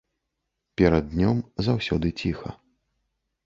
Перад днём заўсёды ціха.